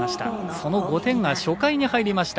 その５点が初回に入りました